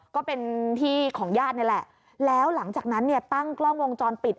ก็เป็นที่ของญาตินี่แหละแล้วหลังจากนั้นเนี่ยตั้งกล้องวงจรปิด